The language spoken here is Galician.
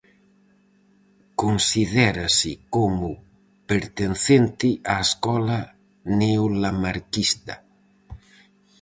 Considérase como pertencente á escola neolamarquista.